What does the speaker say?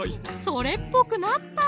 それっぽくなった！